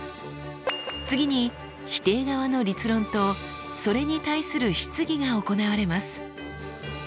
次に否定側の立論とそれに対する質疑が行われます。